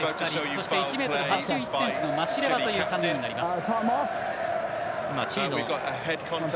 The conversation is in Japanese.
そして、１ｍ８１ｃｍのマシレワという３人になります。